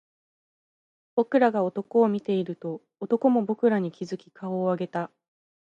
僕らが男を見ていると、男も僕らに気付き顔を上げた